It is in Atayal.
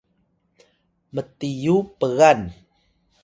mtiyu pgan